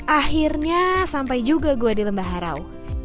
akhirnya sampai juga gua di lembah harau